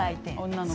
女の子。